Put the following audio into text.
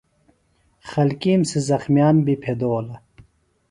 خلکِیم سےۡ زخمِیان بیۡ پھیدولہ۔